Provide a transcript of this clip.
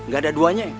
gak ada duanya